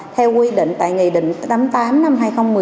theo quy định tại nghị định tám mươi tám năm hai nghìn một mươi